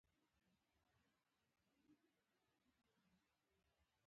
د ادرار د بندیدو لپاره باید څه وکړم؟